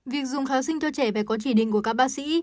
việc dùng kháng sinh cho trẻ phải có chỉ định của các bác sĩ